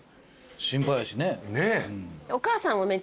心配やしね。